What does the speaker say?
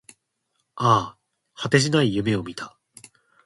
ああ、果てしない夢を見た